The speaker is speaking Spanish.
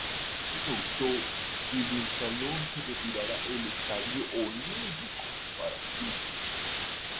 Esto causó que el salón se retirara del Estadio Olímpico para siempre.